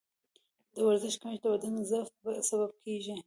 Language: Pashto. د ورزش کمښت د بدن ضعف سبب کېږي.